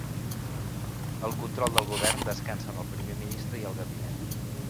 El control del govern descansa en el Primer Ministre i el Gabinet.